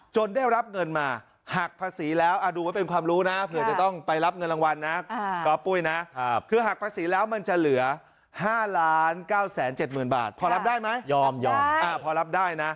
ได้รับเงินมาหักภาษีแล้วดูไว้เป็นความรู้นะเผื่อจะต้องไปรับเงินรางวัลนะก๊อปปุ้ยนะคือหักภาษีแล้วมันจะเหลือ๕๙๗๐๐บาทพอรับได้ไหมยอมยอมพอรับได้นะ